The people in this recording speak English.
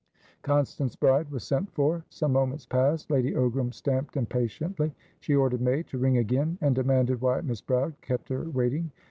Constance Bride was sent for. Some moments passed; Lady Ogram stamped impatiently. She ordered May to ring again, and demanded why Miss Bride kept her waiting.